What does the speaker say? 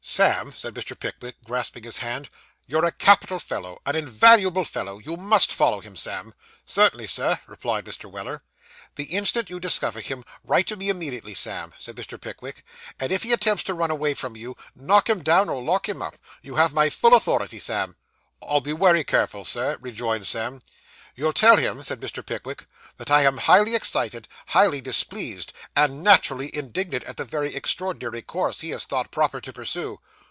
'Sam,' said Mr. Pickwick, grasping his hand, 'you're a capital fellow; an invaluable fellow. You must follow him, Sam.' 'Cert'nly, Sir,' replied Mr. Weller. 'The instant you discover him, write to me immediately, Sam,' said Mr. Pickwick. 'If he attempts to run away from you, knock him down, or lock him up. You have my full authority, Sam.' 'I'll be wery careful, sir,' rejoined Sam. 'You'll tell him,' said Mr. Pickwick, 'that I am highly excited, highly displeased, and naturally indignant, at the very extraordinary course he has thought proper to pursue.